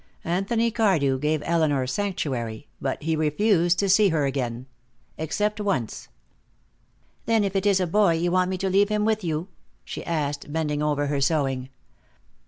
Anthony Cardew gave Elinor sanctuary, but he refused to see her again. Except once. "Then, if it is a boy, you want me to leave him with you?" she asked, bending over her sewing.